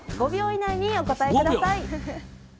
５秒以内にお答え下さい。